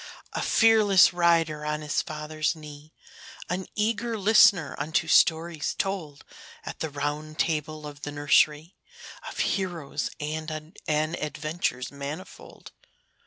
A fearless rider on his father's knee, An eager listener unto stories told At the Round Table of the nursery, Of heroes and adventures manifold.